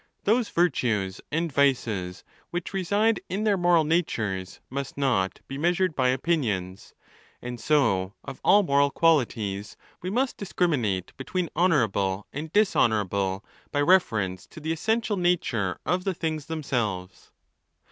Those virtues and vices which reside in their moral 'natures must not be measured by opinions. And so of all moral qualities, we must discriminate between honourable and. dishonowrable by reference to the essential nature of the things themselves.